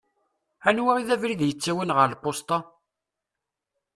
Anwa i d abrid ittawin ɣer lpusṭa?